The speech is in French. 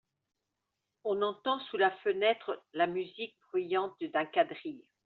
On entend sous la fenêtre la musique bruyante d’un quadrille.